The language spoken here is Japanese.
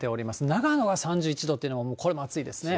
長野が３１度っていうのがこれも暑いですね。